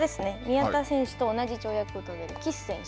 宮田選手と同じ跳躍の岸選手。